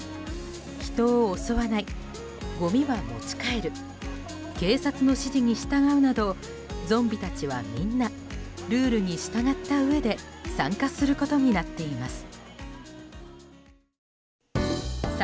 人を襲わない、ごみは持ち帰る警察の指示に従うなどゾンビたちはみんなルールに従ったうえで参加することになっています。